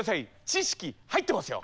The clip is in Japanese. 知識入ってますよ！